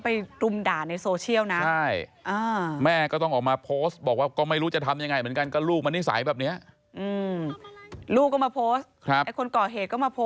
เพราะคุณก็ไปดุ่มด่าในโซเชียลนะ